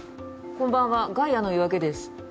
こんばんはガイアの夜明けです。